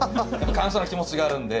感謝の気持ちがあるんで。